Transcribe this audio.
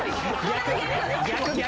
逆逆。